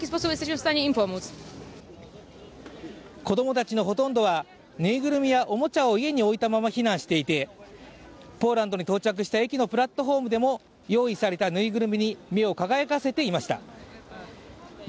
子供たちのほとんどはぬいぐるみやおもちゃを家に置いたまま避難していて、ポーランドに到着した駅のプラットホームでも用意されたぬいぐるみに目を輝かせていました。